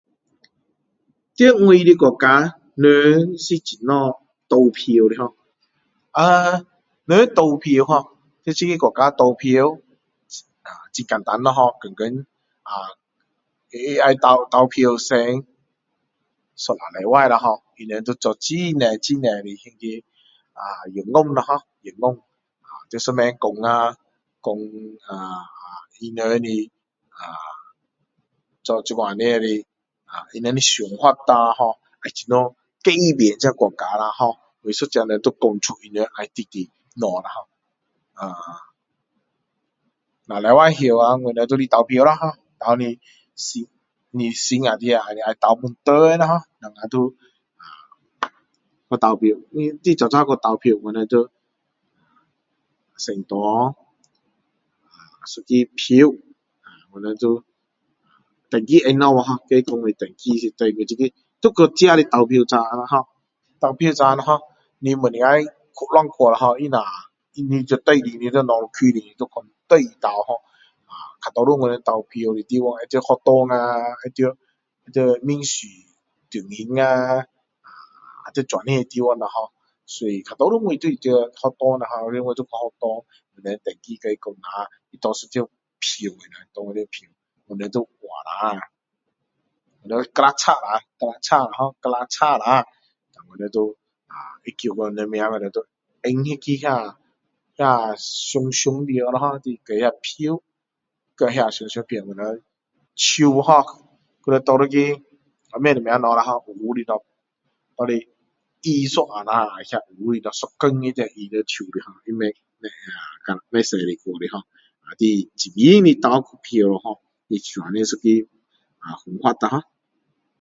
在我的国家人是怎样投票的hor 呃人投票hor 这个国家投票很简单了hor 天天天天投票前一两个星期了hor 他们就做很多很多的那个啊演讲了hor 演讲在上面讲呀说啊他们的啊做这样的他们的想法啦hor 要怎样改变这个国家la hor 每个人都说出来我们要的东西啦hor 呃两个礼拜后我们就来投票了hor 投你们心目中的那个你要投给谁啦hor 我们就去投票就是呃一个票早早去投票我们我们就先拿我们就身份证放下去hor 要叫自己的投票站咯你不能去乱去啦hor 它会限定你在哪一区的要去哪里投hor 比较多我们投票的地方会在学校呀会在历史中心呀在这样的地方了hor 比较多的时候我都会在学校啦hor 我们会拿到一张票我们会画x啦那我们就选他们的名然后放在那个箱箱里面丢那个票去那个箱箱里面手hor 还要拿一个不知道什么东西黑黑的东西拿来印一下啦一天都会印在手的hor它不会不洗的去的hor这个选票这样的一个方法啦hor